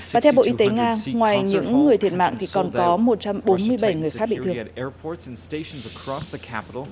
và theo bộ y tế nga ngoài những người thiệt mạng thì còn có một trăm bốn mươi bảy người khác bị thương